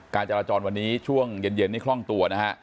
การจราจรวันนี้ช่วงเย็นนี่คล่องตัวนะฮะ